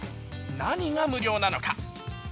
何が無料なのか？